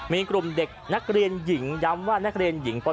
มีกลุ่มเด็กนักเรียนหญิงย้ำว่านักเรียนหญิงป๔